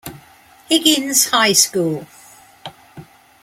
Higgins High School.